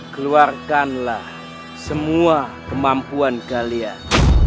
keluarkanlah semua kemampuan kalian